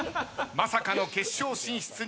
まさかの決勝進出